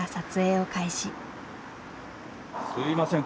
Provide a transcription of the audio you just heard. すみません。